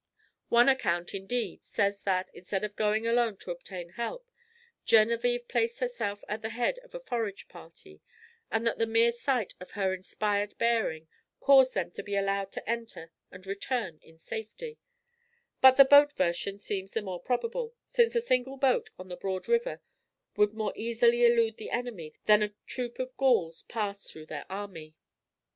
One account indeed says that, instead of going alone to obtain help, Genevičve placed herself at the head of a forage party, and that the mere sight of her inspired bearing caused them to be allowed to enter and return in safety; but the boat version seems the more probable, since a single boat on the broad river would more easily elude the enemy than a troop of Gauls pass through their army.